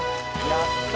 やった！